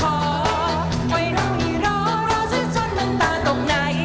ไอ้ต้องรอรอจนจนมันตาตกไหน